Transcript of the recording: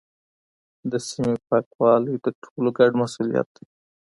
د سیمې پاکوالی د ټولو ګډ مسوولیت دی.